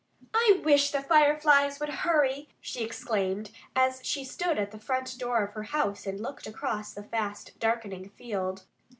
"I wish the Fireflies would hurry!" she exclaimed as she stood at the front door of her house and looked across the fast darkening field.